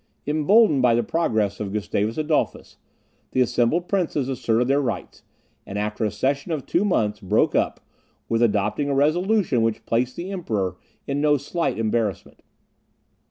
Emboldened by the progress of Gustavus Adolphus, the assembled princes asserted their rights, and after a session of two months broke up, with adopting a resolution which placed the Emperor in no slight embarrassment.